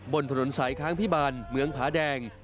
บนถนนสายค้างพิบาลเมืองผาแดง